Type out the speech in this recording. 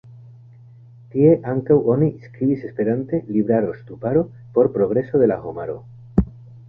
Tie ankaŭ oni skribis esperante "Libraro-Ŝtuparo por Progreso de la Homaro".